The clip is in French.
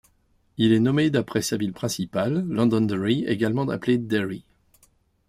Il est nommé d'après sa ville principale, Londonderry également appelée Derry.